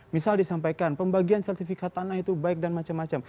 misal disampaikan pembagian sertifikat tanah itu baik dan macam macam